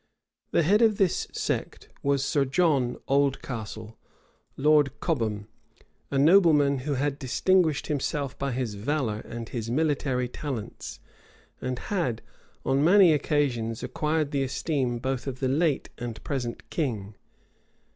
The head of this sect was Sir John Oldcastle, Lord Cobham, a nobleman who had distinguished himself by his valor and his military talents, and had, on many occasions, acquired the esteem both of the late and of the present king.